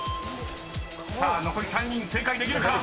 ［残り３人正解できるか？］